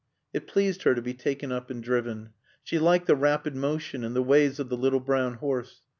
It pleased her to be taken up and driven. She liked the rapid motion and the ways of the little brown horse.